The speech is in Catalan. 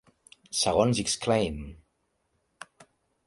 Segons Exclaim!